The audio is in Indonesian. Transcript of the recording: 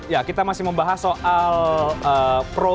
ya kita masih membahas soal pro